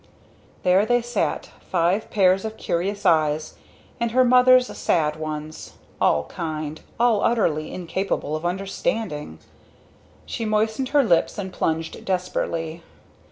There they sat five pairs of curious eyes and her mother's sad ones all kind all utterly incapable of understanding. She moistened her lips and plunged desperately.